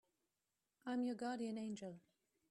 I'm your guardian angel.